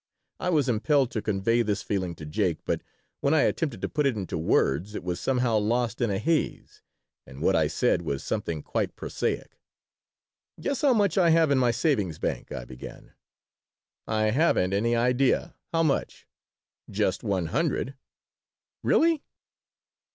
I was impelled to convey this feeling to Jake, but when I attempted to put it into words it was somehow lost in a haze and what I said was something quite prosaic "Guess how much I have in the savings bank?" I began "I haven't any idea. How much?" "Just one hundred." "Really?"